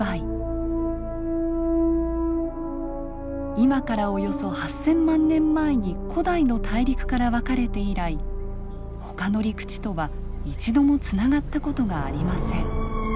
今からおよそ８，０００万年前に古代の大陸から分かれて以来ほかの陸地とは一度もつながった事がありません。